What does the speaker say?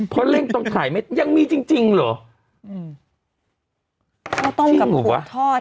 เพราะเร่งต้องถ่ายไม่ยังมีจริงจริงเหรออืมข้าวต้มกับหัวทอด